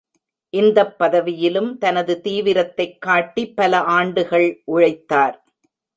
இந்தப் பதவியிலும் தனது தீவிரத்தைக் காட்டி பல ஆண்டுகள் உழைத்தார்.